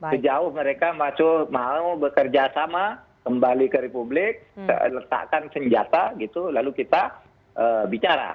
sejauh mereka masuk mau bekerja sama kembali ke republik letakkan senjata gitu lalu kita bicara